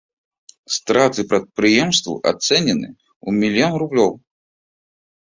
Страты прадпрыемству ацэнены ў мільён рублёў.